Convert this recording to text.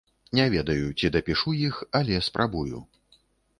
Не ведаю, ці дапішу іх, але спрабую.